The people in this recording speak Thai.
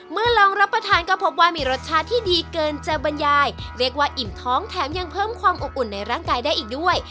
ลองรับประทานก็พบว่ามีรสชาติที่ดีเกินจะบรรยายเรียกว่าอิ่มท้องแถมยังเพิ่มความอบอุ่นในร่างกายได้อีกด้วย